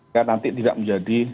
ya nanti tidak menjadi